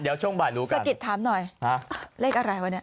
เดี๋ยวช่วงบ่ายรู้สะกิดถามหน่อยฮะเลขอะไรวะเนี่ย